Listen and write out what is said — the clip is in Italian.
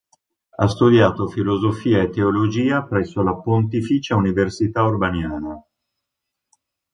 Ha studiato filosofia e teologia presso la Pontificia università urbaniana.